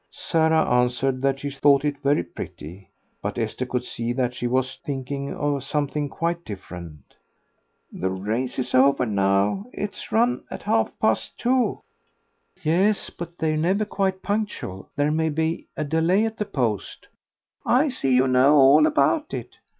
Sarah answered that she thought it very pretty. But Esther could see that she was thinking of something quite different. "The race is over now. It's run at half past two." "Yes, but they're never quite punctual; there may be a delay at the post." "I see you know all about it."